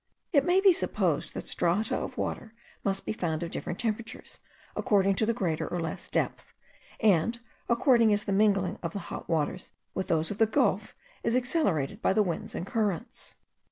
It may be supposed that strata of water must be found of different temperatures, according to the greater or less depth, and according as the mingling of the hot waters with those of the gulf is accelerated by the winds and currents.